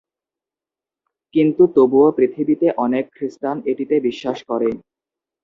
কিন্তু তবুও পৃথিবীতে অনেক খ্রিস্টান এটিতে বিশ্বাস করে।